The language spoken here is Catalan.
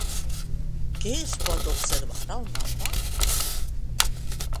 Què es pot observar al mapa?